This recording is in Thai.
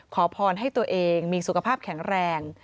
ขอพรให้ตัวเองมีสุขภาพแข็งแรง